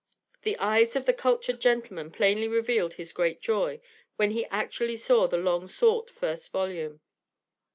The eyes of the cultured gentleman plainly revealed his great joy when he actually saw the long sought first volume.